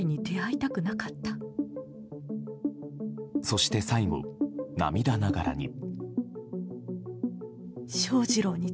そして最後、涙ながらに。